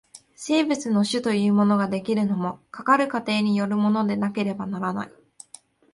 生物の種というものが出来るのも、かかる過程によるものでなければならない。